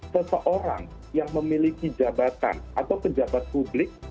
seseorang yang memiliki jabatan atau pejabat publik